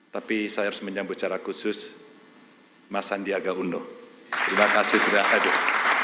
tapi saya harus menyambut secara khusus mas sandiaga uno terima kasih sudah hadir